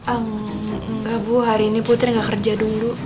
ah enggak bu hari ini putri gak kerja dulu